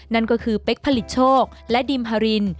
นั่นก็คือเป๊กผลิตโชคและดิมฮาริน